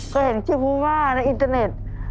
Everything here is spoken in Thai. ก็เห็นชื่อผู้ว่าในอินเทอร์เน็ต